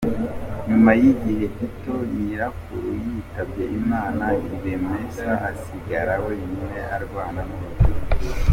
Nyuma y’igihe gito nyirakuru yitabye Imana, Ibemaso asigara wenyine arwana n’ubuzima.